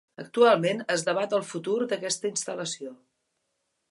Actualment es debat el futur d'aquesta instal·lació.